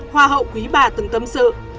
hoa hậu quý bà từng tâm sự